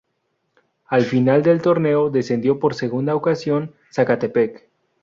Al final del torneo descendió por segunda ocasión Zacatepec.